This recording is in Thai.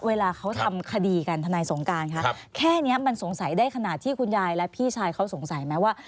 เวลาเขาทำคดีกันทนายสงการคะแค่นี้มันสงสัยได้ขนาดที่คุณยายและพี่ชายเขาสงสัยไหมว่า